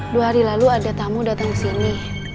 dua hari lalu ada tamu datang kesini